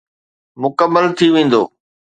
مڪمل ٿي ويندو.